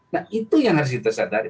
nah itu yang harus disadari